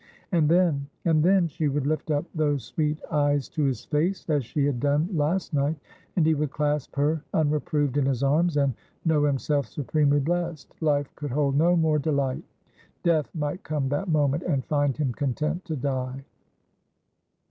And then, and then, she would lift up those sweet eyes to his face — as she had done last night — and he would clasp her unreproved in his arms, and know himself supremely blest. Life could hold no more delight. Death might come that moment and find him content to die.